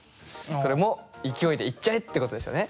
それも勢いでいっちゃえってことですよね。